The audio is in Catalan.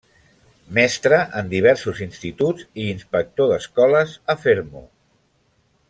Mestre en diversos instituts i inspector d'escoles a Fermo.